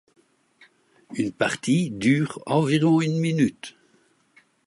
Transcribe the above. Une partie dure environ une minute.